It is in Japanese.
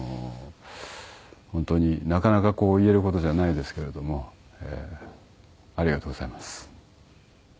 本当になかなかこう言える事じゃないですけれどもありがとうございます。